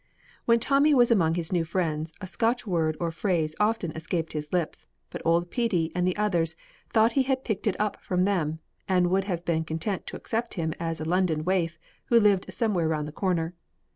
When Tommy was among his new friends a Scotch word or phrase often escaped his lips, but old Petey and the others thought he had picked it up from them, and would have been content to accept him as a London waif who lived somewhere round the corner.